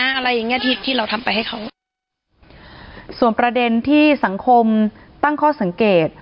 อะไรอย่างเงี้ที่ที่เราทำไปให้เขาส่วนประเด็นที่สังคมตั้งข้อสังเกต